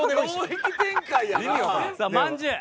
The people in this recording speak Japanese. さあまんじゅう。